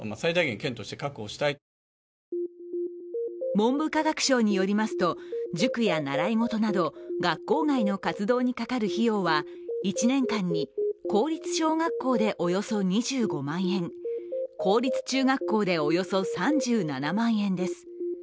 文部科学省によりますと塾や習い事など学校外の活動にかかる費用は１年間に公立小学校でおよそ２５万円公立中学校でおよそ３７万円です。